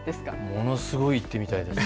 ものすごい行ってみたいです。